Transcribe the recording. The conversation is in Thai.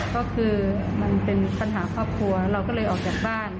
ก็คือมันเป็นปัญหาครอบครัวเราก็เลยออกจากบ้าน